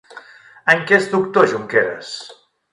En què és doctor Junqueras?